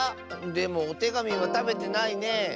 でもおてがみはたべてないね。